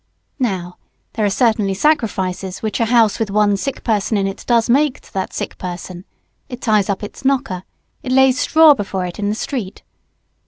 Now, there are certain sacrifices which a house with one sick person in it does make to that sick person: it ties up its knocker; it lays straw before it in the street.